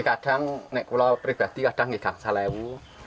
kadang di pulau pribadi kadang di kangsalewu